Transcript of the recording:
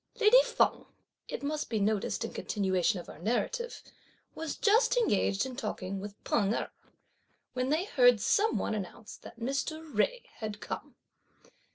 Lady Feng, it must be noticed in continuation of our narrative, was just engaged in talking with P'ing Erh, when they heard some one announce that Mr. Jui had come.